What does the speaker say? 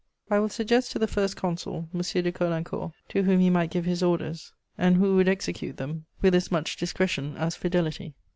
I will suggest to the First Consul M. de Caulaincourt, to whom he might give his orders, and who would execute them with as much discretion as fidelity."